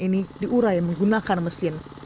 ini diurai menggunakan mesin